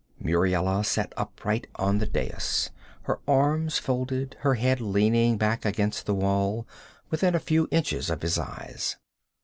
Muriela sat upright on the dais, her arms folded, her head leaning back against the wall, within a few inches of his eyes.